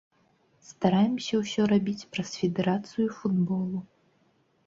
Стараемся ўсё рабіць праз федэрацыю футболу.